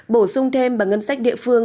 bổ sung thêm bằng ngân sách địa phương